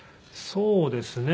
そうですね。